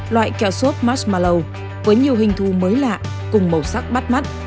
loại kẹo sốt marshmallow với nhiều hình thu mới lạ cùng màu sắc bắt mắt